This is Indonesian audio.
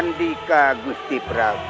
sandika gusti prabu